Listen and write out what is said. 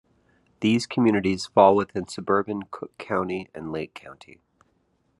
These communities fall within suburban Cook County and Lake County.